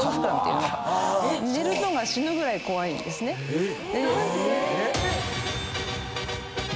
えっ⁉